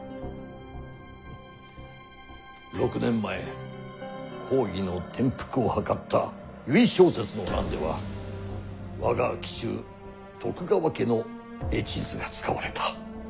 ６年前公儀の転覆を謀った由井正雪の乱では我が紀州徳川家の絵地図が使われた。